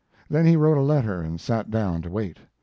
Then he wrote a letter and sat down to wait.